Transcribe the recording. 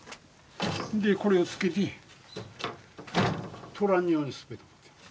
でこれをつけて取らんようにすっぺと。